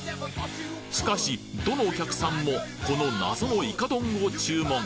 しかしどのお客さんもこの謎のイカ丼を注文